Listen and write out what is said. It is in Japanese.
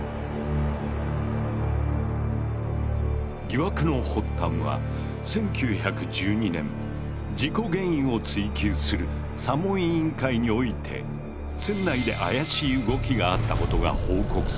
疑惑の発端は１９１２年事故原因を追及する査問委員会において船内で怪しい動きがあったことが報告されている。